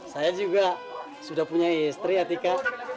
saya juga sudah punya istri atika